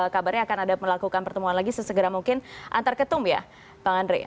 kabarnya akan ada melakukan pertemuan lagi sesegera mungkin antar ketum ya bang andre